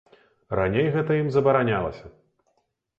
Раней гэта ім забаранялася.